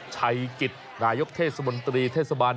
ชัยกิจนายกเทศมนตรีเทศบาล